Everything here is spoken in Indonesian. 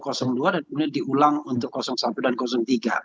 dan kemudian diulang untuk satu dan tiga